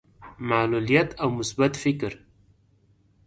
معلوليت او مثبت فکر.